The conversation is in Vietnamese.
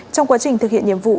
trong quá trình thực hiện nhiệm vụ